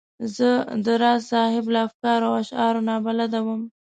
زه د راز صاحب له افکارو او اشعارو نا بلده وم.